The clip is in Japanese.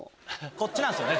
こっちなんすよね